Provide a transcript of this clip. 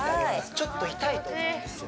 ちょっと痛いと思うんですよ